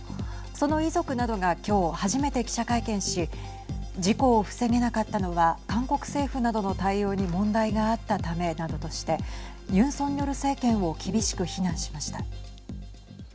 その遺族などが今日、初めて記者会見し事故を防げなかったのは韓国政府などの対応に問題があったためなどとしてユン・ソンニョル政権を厳しく非難しました。